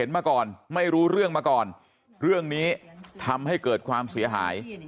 มาก่อนไม่รู้เรื่องมาก่อนเรื่องนี้ทำให้เกิดความเสียหาย